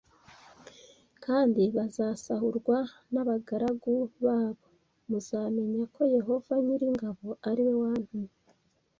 kandi bazasahurwa n abagaragu babo s Muzamenya ko Yehova nyir ingabo ari we wantumye t